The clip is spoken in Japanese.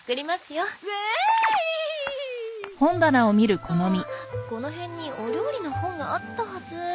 確かこの辺にお料理の本があったはず。